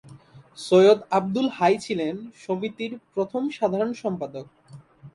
সৈয়দ আবদুল হাই ছিলেন সমিতির প্রথম সাধারণ সম্পাদক।